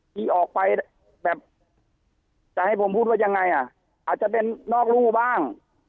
ที่ออกไปแบบจะให้ผมพูดว่ายังไงอ่ะอาจจะเป็นนอกรูบ้าง